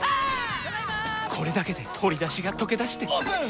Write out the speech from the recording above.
これだけで鶏だしがとけだしてオープン！